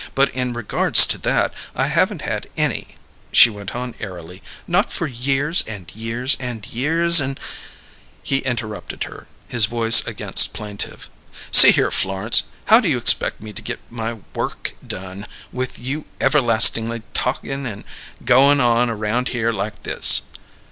"But in regards to that, I haven't had any," she went on, airily "not for years and years and years and " He interrupted her, his voice again plaintive. "See here, Florence, how do you expect me to get my work done, with you everlastin'ly talkin' and goin' on around here like this?